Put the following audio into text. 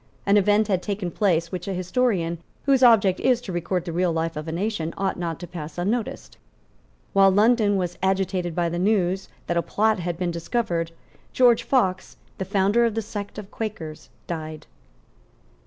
An event had taken place which a historian, whose object is to record the real life of a nation, ought not to pass unnoticed. While London was agitated by the news that a plot had been discovered, George Fox, the founder of the sect of Quakers, died.